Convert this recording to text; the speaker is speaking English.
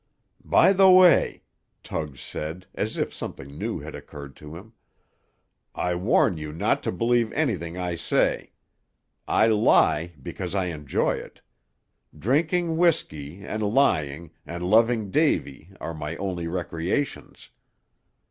"By the way," Tug said, as if something new had occurred to him, "I warn you not to believe anything I say; I lie because I enjoy it. Drinking whiskey, and lying, and loving Davy, are my only recreations.